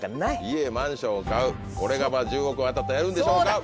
家・マンションを買うこれが１０億当たったらやるんでしょうか？